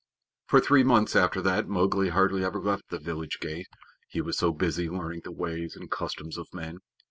For three months after that night Mowgli hardly ever left the village gate, he was so busy learning the ways and customs of men.